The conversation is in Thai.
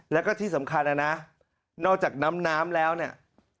แล้วก็ที่สำคัญนะนอกจากน้ำน้ำแล้วเนี่ย